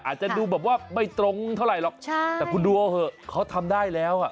อาจจะดูแบบว่าไม่ตรงเท่าไหร่หรอกใช่แต่คุณดูเอาเหอะเขาทำได้แล้วอ่ะ